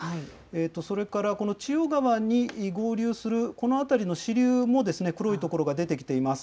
それからこのちよ川に合流するこの辺りの支流もですね、黒い所が出てきています。